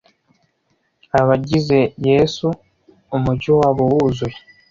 abagize yesu umujyi wabo wuzuye